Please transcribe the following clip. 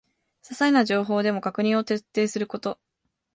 ささいな情報でも確認を徹底すること